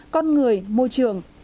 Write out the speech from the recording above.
con người môi trường